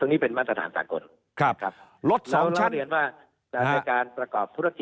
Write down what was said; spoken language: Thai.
ตรงนี้เป็นมาตรฐานต่างกลเราแล้วเรียนว่าในการประกอบธุรกิจ